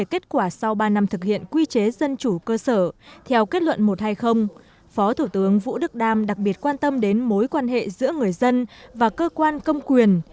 kết quả sau ba năm thực hiện quy chế dân chủ cơ sở theo kết luận một trăm hai mươi phó thủ tướng vũ đức đam đặc biệt quan tâm đến mối quan hệ giữa người dân và cơ quan công quyền